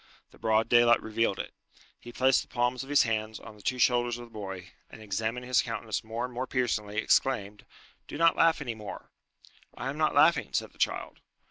The broad daylight revealed it. He placed the palms of his hands on the two shoulders of the boy, and, examining his countenance more and more piercingly, exclaimed, "Do not laugh any more!" "I am not laughing," said the child.